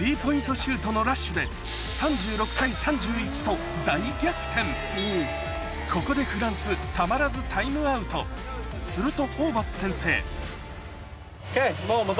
シュートのラッシュで３６対３１と大逆転ここでたまらずするとホーバス先生